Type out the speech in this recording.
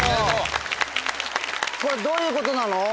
これどういうことなの？